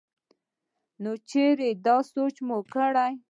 نو چرې دا سوچ مو کړے